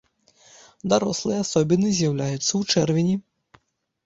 Дарослыя асобіны з'яўляюцца ў чэрвені.